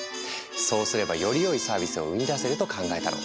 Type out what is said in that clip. そうすればよりよいサービスを生み出せると考えたの。